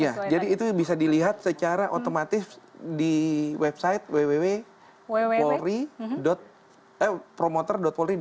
ya jadi itu bisa dilihat secara otomatis di website www promoter polri co id